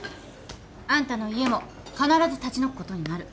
あんたの家も必ず立ち退くことになる。